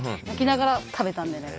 泣きながら食べた。